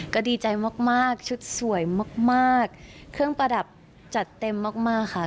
ก็ดีใจมากชุดสวยมากเครื่องประดับจัดเต็มมากค่ะ